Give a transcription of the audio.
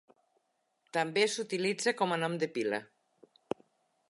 També s"utilitza com a nom de pila.